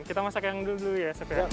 kita masak yang dulu dulu ya